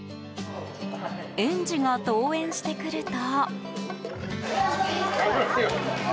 園児が登園してくると。